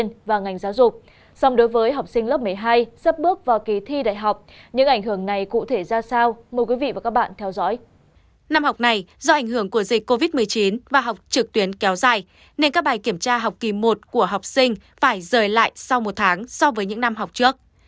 năm học này do ảnh hưởng của dịch covid một mươi chín và học trực tuyến kéo dài nên các bài kiểm tra học kỳ một của học sinh phải rời lại sau một tháng so với những năm học trước